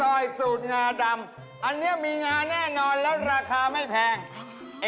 เฮ้ยของพี่รักจะซอยที่ภัย